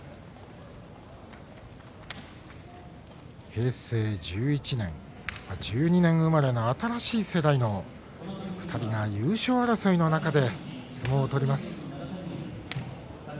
平成１１年１２年生まれの新しい世代の２人が優勝争いの中で相撲を取ります。